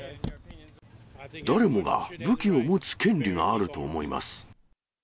誰もが武器を持つ権利があると思います。